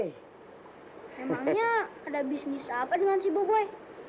memangnya ada bisnis apa dengan si boboi